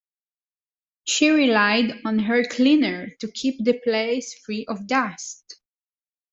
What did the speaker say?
She relied on her cleaner to keep the place free of dust.